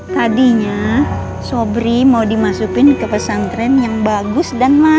tadinya sobri mau dimasukin ke pesantren yang bagus dan maju